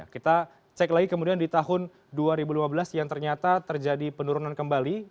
kita cek lagi kemudian di tahun dua ribu lima belas yang ternyata terjadi penurunan kembali